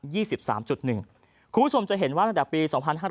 คุณผู้ชมจะเห็นว่าตั้งแต่ปี๒๕๕๙